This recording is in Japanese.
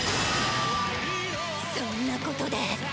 そんなことで。